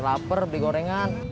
laper di gorengan